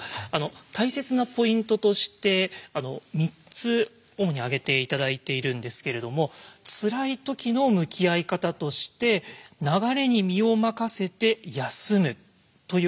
大切なポイントとして３つ主に挙げて頂いているんですけれどもツラいときの向き合い方として「流れに身を任せて休む」ということが大事なんですね。